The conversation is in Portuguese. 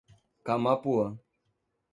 Camapuã